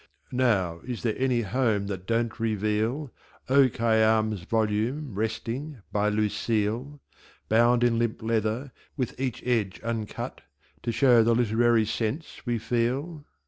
Now, is there any Home that Don't reveal O. Khayyam's volume resting by "Lucille," Bound in Limp Leather, with each Edge uncut, To show the Literary Sense we feel?